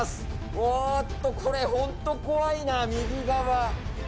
おーっと、これ、本当、怖いな、右側。